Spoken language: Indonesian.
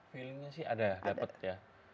feelingnya sih ada ya dapet ya